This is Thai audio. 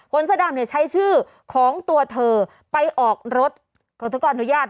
เสื้อดำเนี่ยใช้ชื่อของตัวเธอไปออกรถขอโทษอนุญาต